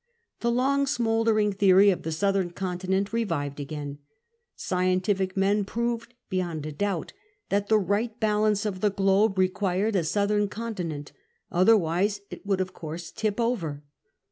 The long smouldering theory of the southern con tinent revived again. Scientific men proved beyond a doubt that the right balance of the globe required a southern continent; otherwise it would of course tip over.